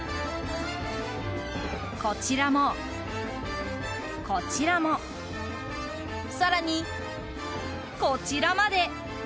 こちらも、こちらも更にこちらまで！